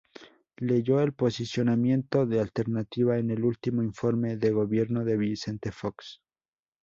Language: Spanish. Leyó el posicionamiento de Alternativa en el último informe de Gobierno de Vicente Fox.